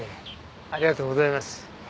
ありがとうございます。